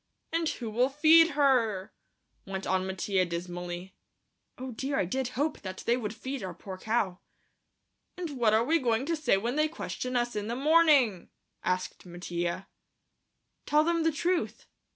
"And who'll feed her?" went on Mattia dismally. Oh, dear, I did hope that they would feed our poor cow. "And what are we going to say when they question us in the morning?" asked Mattia. "Tell them the truth."